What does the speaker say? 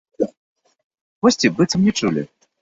Госці быццам не чулі.